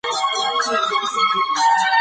اداري اصلاح بنسټیزه ده